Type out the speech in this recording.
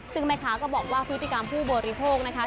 ซึ่งแม่ค้าก็บอกว่าพฤติกรรมผู้บริโภคนะคะ